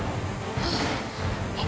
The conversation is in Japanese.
あっ！